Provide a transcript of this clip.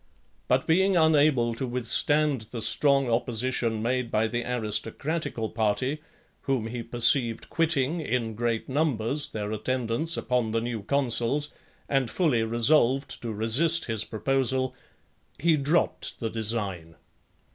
But being unable to withstand the strong opposition made by the aristocratical party, whom he perceived quitting, in great numbers, their attendance upon the new consuls , and fully resolved to resist his proposal, he dropped the design.